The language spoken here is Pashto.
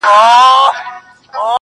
رسنۍ موضوع نړيواله کوي-